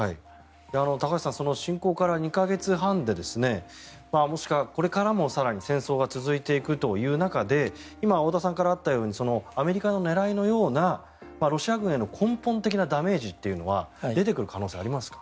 高橋さん侵攻から２か月半でこれからも更に戦争が続いていくという中で今、太田さんからあったようにアメリカの狙いのようなロシア軍への根本的なダメージというのは出てくる可能性ありますか？